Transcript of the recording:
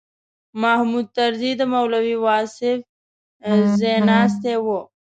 محمود طرزي د مولوي واصف ځایناستی و.